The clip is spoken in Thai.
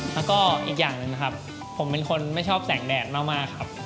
แล้วก็อีกอย่างหนึ่งนะครับผมเป็นคนไม่ชอบแสงแดดมากครับ